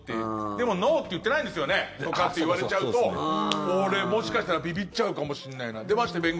でも、ノーって言ってないんですよね？とかって言われちゃうと俺、もしかしたらびびっちゃうかもしれないな。